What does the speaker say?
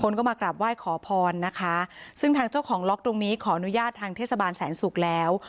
ก็มากราบไหว้ขอพรนะคะซึ่งทางเจ้าของล็อกตรงนี้ขออนุญาตทางเทศบาลแสนศุกร์แล้ว